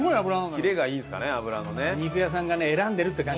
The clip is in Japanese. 切れがいいんですかね脂のね。